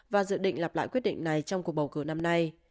và dự định lặp lại quyết định này trong cuộc bầu cử năm nay